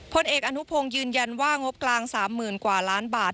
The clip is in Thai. พลเอกอนุพงศ์ยืนยันว่างบกลาง๓๐๐๐กว่าล้านบาท